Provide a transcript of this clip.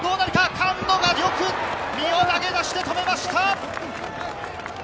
菅野がよく身を投げ出して止めました。